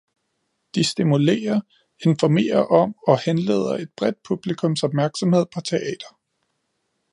De stimulerer, informerer om og henleder et bredt publikums opmærksomhed på teater.